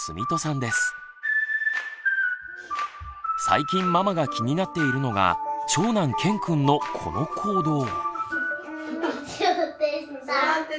最近ママが気になっているのが長男けんくんのこの行動。